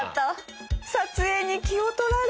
撮影に気を取られ。